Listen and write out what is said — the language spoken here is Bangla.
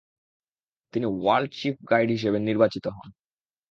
তিনি ওয়ার্ল্ড চীফ গাইড হিসেবে নির্বাচিত হন।